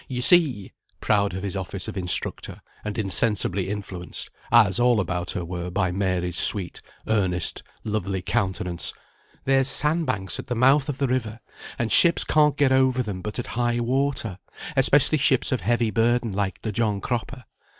You see" (proud of his office of instructor, and insensibly influenced, as all about her were, by Mary's sweet, earnest, lovely countenance) "there's sand banks at the mouth of the river, and ships can't get over them but at high water; especially ships of heavy burden, like the John Cropper.